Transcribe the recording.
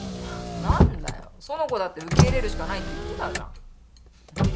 何だよ苑子だって受け入れるしかないって言ってたじゃん。